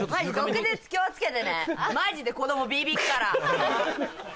毒舌気を付けてねマジで子供ビビっから！